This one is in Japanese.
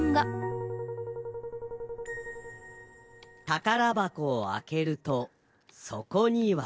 「たからばこをあけると、そこには」。